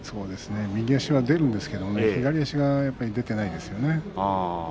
右足は出るんですが左足が出ていないですよね。